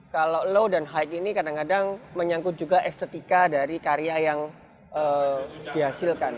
kalau low dan high ini kadang kadang menyangkut juga estetika dari karya yang dihasilkan